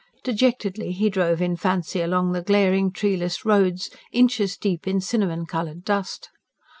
Dejectedly he drove, in fancy, along the glaring, treeless roads, inches deep in cinnamon coloured dust.